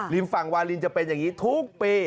ฝั่งวาลินจะเป็นอย่างนี้ทุกปี